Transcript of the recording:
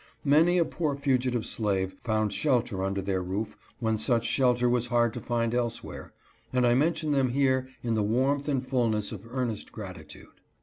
Many a poor fugitive slave found shelter under their roof when such shelter was hard to find elsewhere, and I men tion them here in the warmth and fullness of earnest gratitude.